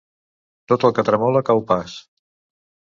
Tot el que tremola cau pas.